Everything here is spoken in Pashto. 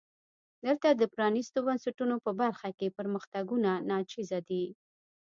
دلته د پرانیستو بنسټونو په برخه کې پرمختګونه ناچیزه دي.